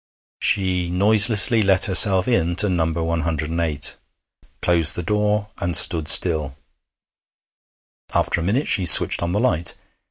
She noiselessly let herself into No. 108, closed the door, and stood still. After a minute she switched on the light.